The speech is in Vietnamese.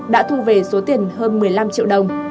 đã thu về số tiền hơn một mươi năm triệu đồng